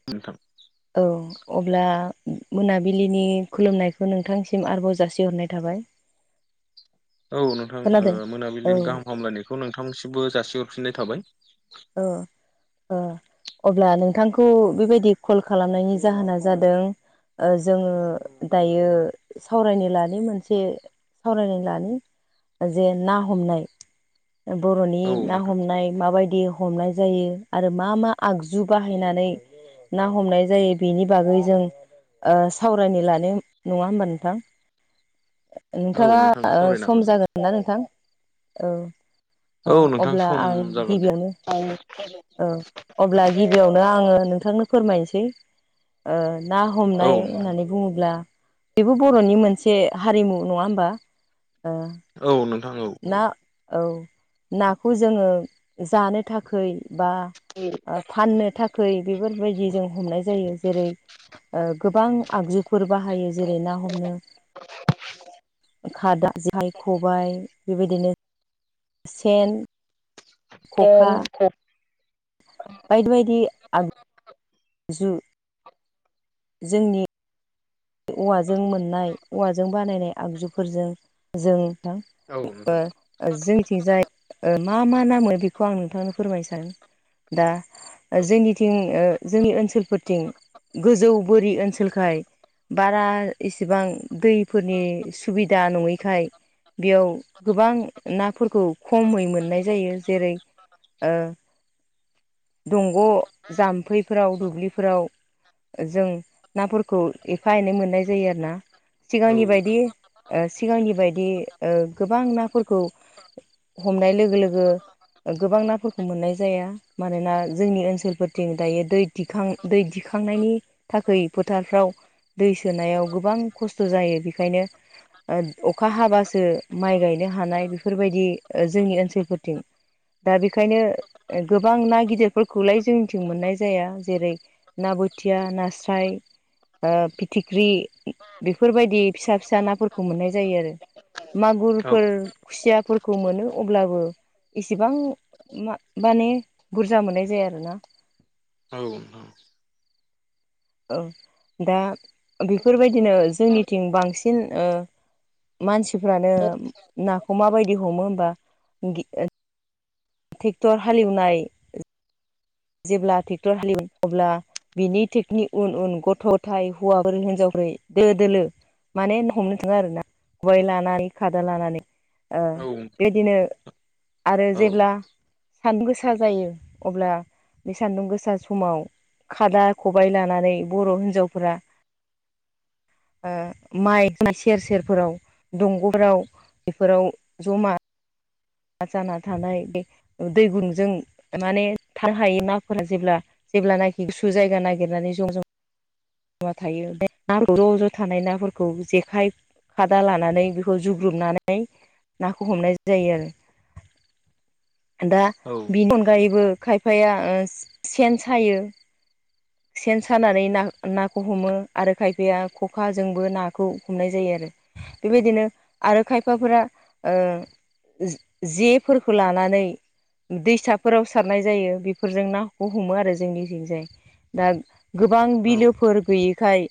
[unintelligible] औ अब्ला मोनाबिलिनि खुलुमनायखौ नोंथांसिम आरोबाव जासिहरनाय थाबाय। [inaudible] औ नोंथां खोनादों ओ औ मोनाबिलिनि गाहाम हामलायनायखौ नोंथांसिमबो जासिहरफिननाय थाबाय। अ अ अब्ला नोंथांखौ बेबायदि कल खालामनायनि जाहोना जादों ओ जोंङो दायो सावरायनो लानि मोनसे। सावरायनाय लानि जे ना हमनाय। बर'नि औ ना नोंथां हमनाय माबायदि हमनाय जायो आरो मा मा आगजु बाहायनानै। ना हमनाय जायो बेनि बागै जों सावरायनो लानो नङा होमबा नोंथां? औ नोंथाङा नोंथां सावरायनो सम हागोन दे जागोन ना नोंथां औ नोंथां अब्ला सम आं जागोन दे गिबियावनो औ अब्ला गिबियावनो आंङो नोंथांनो फोरमायनोसै ओ ना औ हमनाय नोंथां होननानै बुङोब्ला बेबो बर'नि मोनसे हारिमु नङा हबा ओ औ नोंथां औ ना औ औ नाखौ जोंङो जानो थाख बा [unintelligible] आ फाननो थाख बेफोरबायदि जों हमनाय जायो जेरै गोबां आगजुफोर बाहायो। जेरै ना हमनो खादा जेखाइ खबायाइ बेबायदिनो सेन खखा [unintelligible] बायदि बायदि जु जोंनि औवाजों मोननाय औवाजों बानायनाय आगजुफोरजों जों दा [unintelligible] जोंथिंजाय मा मा नामो बेखौ आं नोंथांनो फोरमायनो सानो दा ओ जोंनिथिं ओ जोंनि ओनसोलफोरथिं गोजौ बोरि ओनसोलखाय। बारा इसेबां दैफोरनि सुबिदा नङैखाय बेयाव गोबां नाफोरखौ खमै मोननाय जायो जेरै दंग' जाम्फैफोराव दुब्लिफोराव जों नाफोरखौ एफा एनै मोननाय जायो आरो ना सिगांनि बायदि ओ सिगांनि बायदि ओ गोबां नाफोरखौ हमनाय लोगो लोगो गोबां नाफोरखौ मोननाय जाया। मानोना जोंनि ओनसोलफोरथिं दायो दै दिखां दै दिखांनायनि थाखै फोथारफ्राव दै सोनायाव गोबां खस्थ' जायो बेखायनो अखा हाबासो माइ गायनो हानाय बेफोरबायदि जोंनि ओनसोलफोरथिं दा बेखायनो गोबां ना गिदिरफोरखौलाय जोंनिथिं मोननाय जाया जेरै। ना बोथिया नास्राय। ओ फिथिख्रि बेफोरबायदि फिसा फिसा नाफोरखौ मोननाय जायो आरो। मागुरफोर औ खुसियाफोरखौ मोनो अब्लाबो। इसेबां मा माने बुरजा मोननाय जाया आरोना। औ औ ओ दा बेफोरबायदिनो जोंनिथिं बांसिन ओ। मानसिफ्रानो नाखौ माबायदि हमो होमबा गि ट्रेक्टर हालेवनाय जेब्ला ट्रेक्टर हालिवयो अब्ला। बिनि थिकनि उन उन गथ'थाय हौवाफोर हिनजावफोर दो दोलो। माने हमनो थाङा आरो ना खबाय लानानै खादा लानानै। बेदिनो आरो जेब्ला सान्दुं गोसा जायो अब्ला बे सान्दुं गोसा समाव खादा खबाय लानानै बर' हिनजावफोरा। माइ सेर सेरफोराव दंग'फ्राव बेफोराव जमा। ना जाना थानाय बे दै गुदुंजों माने थानो हायो नाफोरा जेब्ला जेब्लानाखि गुसु जायगा नागिरनानै ज' ज'। मा थायो ज' ज' थानाय नाफोरखौ जेखाय खादा लानानै बेखौ जुग्रुबनानै नाखौ हमनाय जायो आरो। दा बिनि अनगायैबो खायफाया ओ सेन सायो। सेन सानानै ना नाखौ हमो आरो खायफाया खखाजोंबो नाखौ हमनाय जायो आरो। बेबायदिनो आरो खायफाफोरा जों जेफोरखौ लानानै दैसाफोराव सारनाय जायो बेफोरजों नाखौ हमो आरो जोंनिथिंजाय। दा गोबां बिलोफोर गैयिखाय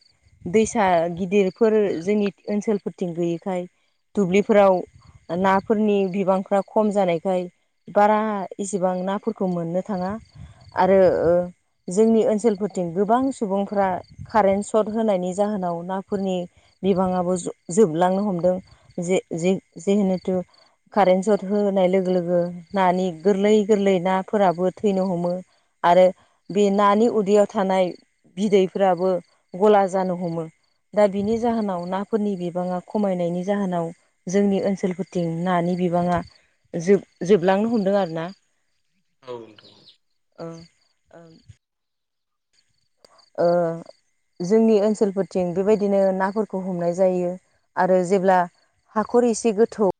दैसा गिदिर फोर जोंनि ओनसोलफोरथिं गैयिखाय दुब्लिफोराव नाफोरनि बिबां फ्रा खम जानायखाय बारा इसिबां नाफोरखौ मोननो थाङा आरो ओ। जोंनि ओनसोलफोरथिं गोबां सुबुंफ्रा कारेन्ट सर्ट होनायनि जाहोनाव नाफोरनि बिबाङाबो जोबलांनो हमदों जे-जे-जिहेथु कारेन सथ होनाय लोगो लोगो नानि गोरलै गोरलै नाफोराबो थैनो हमो आरो बे नानि उदैयाव थानाय बिदैफोराबो गला जानो हमो। दा बिनि जाहोनाव नाफोरनि बिबाङा खमायनायनि जाहोनाव जोंनि ओनसोलफोरथिं नानि बिबाङा। जोब-जोबलांनो हमदों आरोना औ नोंथां औ ओं ओं ओ। जोंनि ओनसोलफोरथिं बेबायदिनो नाफोरखौ हमनाय जायो आरो जेब्ला हाखर एसे गोथौ।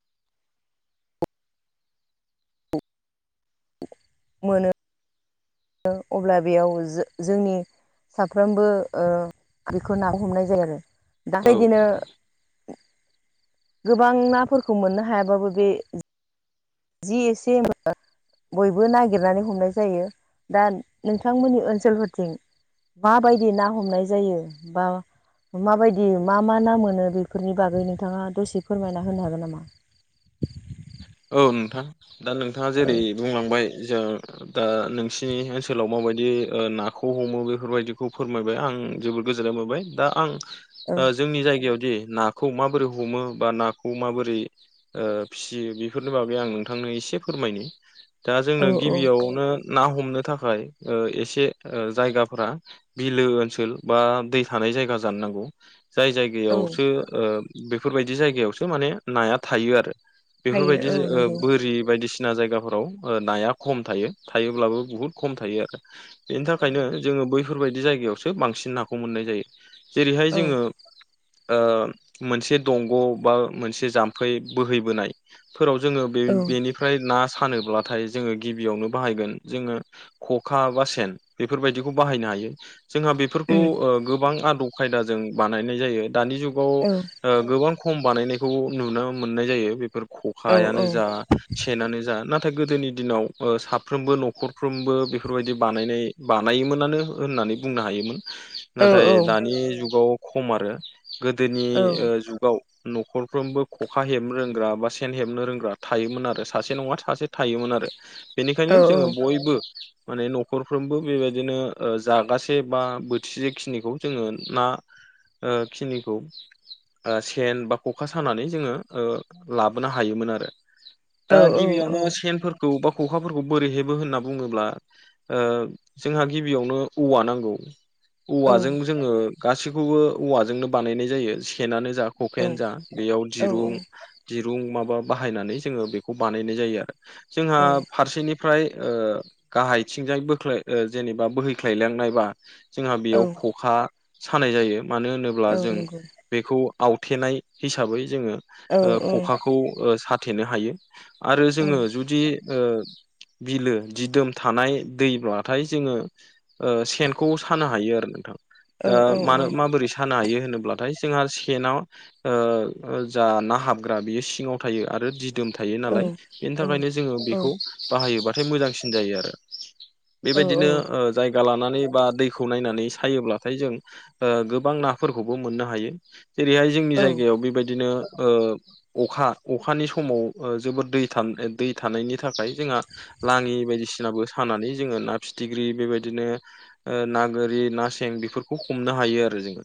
मोनो। अब्ला बेयाव जोंनि। साफ्रोमबो ओ बेखौ ना हमनाय जायो आरो। दा औ बेबायदिनो गोबां नाफोरखौ मोननो हायाबाबो बे। जि एसे बयबो नागिरनानै हमनाय जायो दा नोंथांमोननि ओनसोलफोरथिं। माबायदि ना हमनाय जायो बा माबायदि मा मा नाम मोनो बेफोरनि बागै नोंथाङा दसे फोरमायना होनो हागोन नामा? औ नोंथां दा नोंथाङा औ जेरै बुंलांबाय जो। औ नों दा आं औ ओ जोंनि जायगायावदि ना खौ माबोरै हमो बा नाखौ माबोरै उह फिसियो बि बेफोरनि बागै आं नोंथांनो एसे फोरमायनो दा औ जोंनो औ गिबियावनो ना हमनो थाखाय उह एसे उह जायगाफ्रा बिलो ओनसोल बा दै थानाय जायगा जानो नांगौ। जाय औ जायगायावसो उह बेफोरबायदि जायगायावसो माने नाया थायो आरो। फायो औ नंगौ रि बायदिसिना जायगाफोराव ओ नाया खम थायो थायोब्लाबो बुहुद खम थायो आरो बेनि औ थाखायनो जोंङो बैफोरबायदि जायगायावसो बांसिन नाखौ मोननाय जायो जेरैहाय औ जोंङो ओ मोनसे दंग' बा मोनसे जाम्फै बोहैबोनाय फोराव जोंङो बे औ उम बेनिफ्राय ना सानोब्लाथाय जोंङो गिबियावनो बाहायगोन जोंङो ख'खा बा सेन बेफोरबायदिखौ बाहायनो हायो। जोंहा बेफोरखौ उह गोबां आदब खायदाजों बानायनाय जायो दानि जुगाव औ उह गोबां खम बानायनायखौ नुनो मोननाय जायो बेफोर औ खखायानो जा। सेेनानो जा नाथाय गोदोनि दिनाव ओ साफ्रोमबो न'खरफ्रोमबो बेफोरबायदि बानायनाय बानायोमोनानो होननानै बुंनो हायोमोन। औ नाथाय औ दानि जुगाव खम आरो गोदोनि औ उह जुगाव न'खरफ्रोमबो खखा हेबनो रोंग्रा बा सेन हेबनो रोंग्रा थायोमोन आरो सासे नङा सासे थायोमोन आरो औ बेनिखायनो जोङो बयबो माने न'खरफ्रोमबो बेबायदिनो ओ जागासे बा बोथिसेखिनिखौ जोंङो ना ओ खिनिखौ ओ सेन बा ख'खा सानानै जोङो ओ लाबो मोनो हायोमोन आरो औ दा गिबियावनो सिनफोर। खौ बा खखाफोरखौ बोरै हेबो होनना बुंङोब्ला ओ जोंहा गिबियावनो औवा नांगौ। औवाजों जोङो गासैखौबो औवाजोंनो बानायनाय जायो सेनानो जा खकायानो जा बेयाव दिरुं औ दिरुं माबा बाहायनानै जोङो बेखौ बानायनाय जायो आरो। जोंहा औ फारसेनि फ्राय उह गाहायथिंजाय बोख्लाय उह जेनेबा बोहैख्लायलांनाय बा जोंहा औ बेयाव ख'खा सानाय जायो मानो औ होनोब्ला जों नंगौ बेखौ आवथेनाय हिसाबै जोंङो औ औ खौ ओ साथेनो हायो आरो औ जोंङो जुदि ओ बिलो दिदोम थानाय दैब्लाथाय जोंङो ओ सेनखौ सानो हायो आरो नोंथां दा मानो मा माबोरै सानो हायो होनोब्लाथाय जोंहा सेनाव ओ ओ जा ना हाब ग्रा बियो सिङाव थायो आरो दिदोम थायो नालाय बेनि थाखायनो जोङो बेखौ। बाहायोबाथाय मोजांसिन जायो आरो बेबायदिनो ओ जायगा लानानै बा दैखौ नायनानै सायोब्लाथाय जों ओ गोबां नाफोरखौबो मोननो हायो जेरैहाय जोंनि जायगायाव बेबायदिनो ओ अखा अखानि समाव जोबोर दै थान दै थानायनि थाखाय जोंहा लाङि बायदिसिनाबो सानानै जोङो ना फिथिख्रि बेबायदिनो उह ना गोरि ना सें बिफोरखौ हमनो हायो आरो जोङो।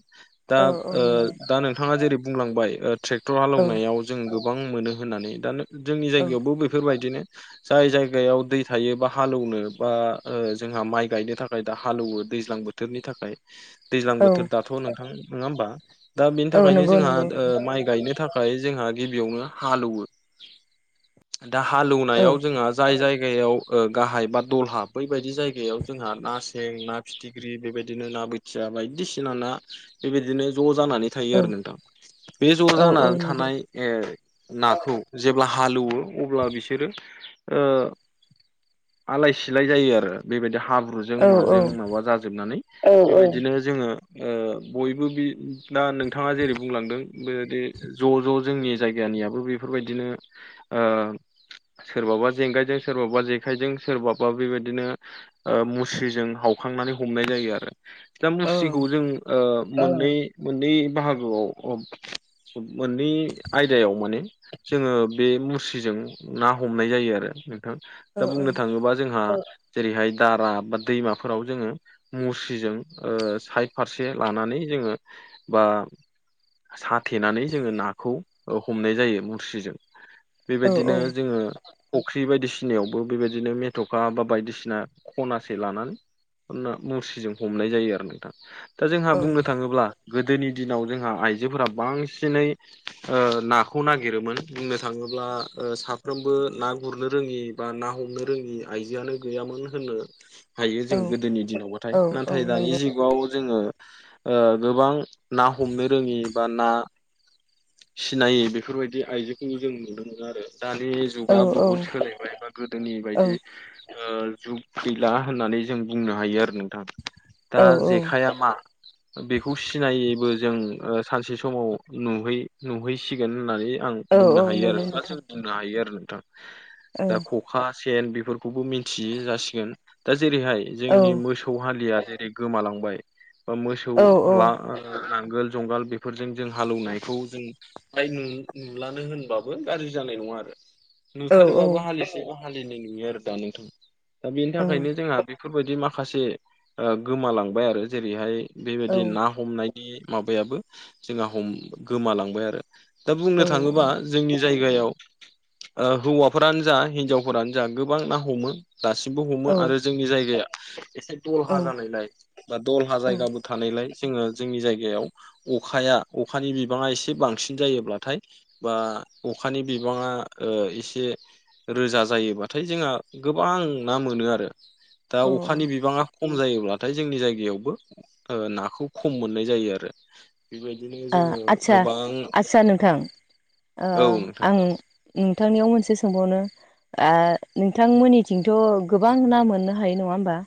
औ दा औ ओ नंगौ दा नोंथांङा जेरै बुंलांबाय ओ ट्रेक्टर औ हालौवनायाव जों गोबां मोनो होननानै दा जोंनि औ जायगायावबो बेफोरबायदिनो। जाय जायगायाव दै थायोबा हालौनो बा उह जोंहा माइ गायनो थाखाय दा हालौवो दैज्लां बो थोरनि थाखाय। दैज्लां औ बोथोर दाथ' नोंथां। नोङा होमबा? दा बेनि औ थाखायनो नंगौ जोंहा नंगौ ओ माइ गायनो था खाय जोंहा गिबियावनो हालौवो दा औ हालौनायाव जोंहा जाय जायगायाव ओ गाहाय बा दलहा बैबायदि जायगायाव जोंहा ना सें, ना फि फिथिग्रि बेबायदिनो ना बोथिया बायदिसिना ना बेबायदिनो ज' जानानै औ थायो आरो नोंथां। बे ज' औ औ जानानै नंगौ थानाय ए नाखौ जेब्ला हालेवो अब्ला बिसोरो ओ आलाय-सिलाय जायो आरो बेबादि हाब्रुजों औ माजों माबा जाजोबनानै। औ औ बिदिनो जोंङो ओ बयबो बि दा नोंथाङा जेरै बुंलांदों बेबायदि ज' ज' जोंनि जायगानियाबो बेफोरबायदिनो ओ सोरबाबा जेंगायजों, सोरबाबा जेखाइजों, सोरबाबा बेबायदिनो ओ मुस्रिजों हावखांनानै हमनाय जायो आरो दा मुस्रिखौ जों ओ मोननै मोननै बाहागोआव अ मोननै आयदायाव माने जोङो बे मुस्रिजों ना हमनाय जायो आरो नोंथां। औ नंगौ औ दा बुंनो थाङोबा जोंहा जेरैहाय दारा बा दैमाफोराव जोङो मुस्रिजों ओ साइड फारसे लानानै जोङो बा साथेनानै जोङो नाखौ ओ हमनाय जायो मुस्रिजों। बेबायदिनो जोङो फख्रि बायदिसिनायावबो बेबायदिनो मेथ'खा बा बायदिसिना खनासे लानानै मुस्रिजों हमनाय जायो आरो नोंथां। दा जोंहा बुंनो थाङोब्ला गोदोनि दिनाव जोंहा आइजोफोरा बांसिनै ओ नाखौ नागिरोमोन बुंनो थाङोब्ला ओ साफ फ्रोमबो ना गुरनो रोङि बा ना हमनो रोङि आइजोआनो गैयामोन होननो हायो जों गोदोनि दिनावबाथाय नाथाय दानि जि गाव जोङो ओ गोबां ना हमनो रोङि बा ना सिनायै बेफोरबायदि आयजोखौ जों नुनो मोनो आरो दानि जुगा बुहुद सोलायबाय बा गोदोनि बायदि ओ जुग गैला होननानै जों बुंनो हायो आरो नोंथां। दा जेखाइया मा बेखौ सिनायिबो जों सानसे समाव नुहै नुहैसिगोन होननानै आं बुंनो औ हायो आरो। नंगौ बा नोंथां जोंनि नायो आरो नोंथां औ दा ख'खा, सेन बिफोरखौबो मिथियि जासिगोन। दा जेरैहाय औ जोंनि मोसौ हालिया जेरै गोमालांबाय बा मोसौ औ ला नांगोल जुंगाल बेफोरजों जों हालौनायखौ जों फ्राय नु नुलानो होनबाबो गाज्रि जानाय नङा आरो। नुथारोबाबो औ हालिसेबा हालिनै नुयो आरो दा नोंथां। दा बेनि थाखायनो जोंहा बे फोरबायदि माखासे ओ गोमालांबाय आरो जेरैहाय बेबायदि औ ना हमनायनि माबायाबो जोंहा हम गोमालांबाय आरो। दा बुंनो औ थाङोबा औ जोंनि जायगायाव ओ हौवाफोरानो जा हिनजावफोरानो जा गोबां ना हमो। दासिमबो हमो आरो जोंनि जायगाया एसे दलहा जानायलाय बा दलहा औ औ जायगाबो थानायलाय जोंङो जोंनि जायगायाव अखाया अखानि बि बाङा एसे बांसिन जायोब्लाथाय बा अखानि बिबाङा ओ एसे रोजा जायोबाथाय जोंहा गोबां ना मोनो आरो। दा औ अ अखानि बिबाङा खम जायोब्लाथाय जोंनि जायगायावबो ओ नाखौ खम मोननाय जायो आरो। बिबायदिनो जोङो सा गोबां आस्सा नोंथां ओ औ नोंथां आं नोंथांनियाव मोनसे सोंबावनो आ नोंथांमोननिथिंथ' गोबां ना मोननो हायो नङा होमबा?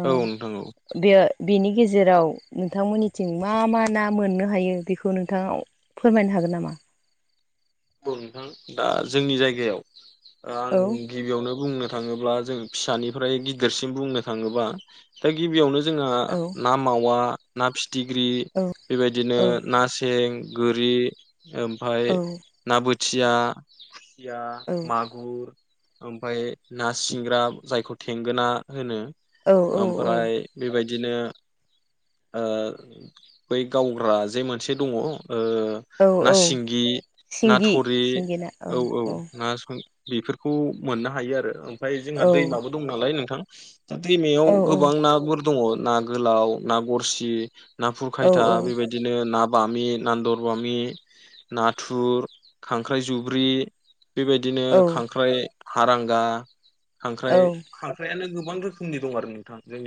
ओ औ नोंथां औ बे बिनि गेजेराव नोंथांमोननिथिं मा मा ना मोननो हायो बिखौ नोंथाङाव फोरमायनो हागोन नामा? औ नोंथां दा जोंनि जायगायाव आं औ गिबियावनो बुंनो थाङोब्ला जों फिसानिफ्राय गिदिरसिम बुंनो थाङोबा दा गिबियावनो जोंहा औ नाम मावा ना फिथिख्रि औ बेबायदिनो औ ना सें गोरि ओम ओमफ्राय औ ना बोथिया थिया औ माग गुर ओमफ्राय ना सिंग्रा जायखौ थेंगोना होनो औ औ ओमफ्राय बेबायदिनो बै गावग्रा जे मोनसे दङ ओ औ ना औ सिंगि ना सिंगि थुरि सिंगि ना औ औ ना सं बेफोरखौ मोननो हायो आरो ओमफ्राय जोंहा औ दैमाबो दं नालाय नोंथां। दैमायाव औ गोबां नाफोर दङ ना गोलाव ना गरसि। नाफुर औ खायथा बेबायदिनो ना बामि नान्दर बामि नाथुर। खांख्राइ जुब्रि बेबायदिनो औ खांख्राइ हारांगा। खांख्राय औ खांख्रायानो गोबां रोखोमनि दं आरो नोंथां जोंनि